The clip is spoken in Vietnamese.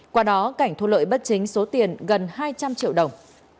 qua đó cảnh thu lợi bất chính số tiền gần hai trăm linh triệu đồng